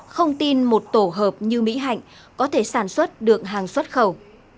không tin một tổ hợp như mỹ hạnh có thể sản xuất được hàng xuất khẩu